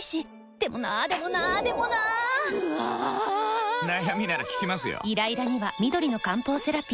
でもなーでもなーでもなーぬあぁぁぁー！！！悩みなら聞きますよ。